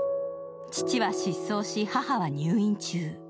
父は失踪し母は入院中。